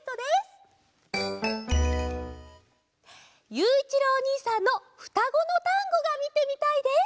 ゆういちろうおにいさんの「ふたごのタンゴ」がみてみたいです！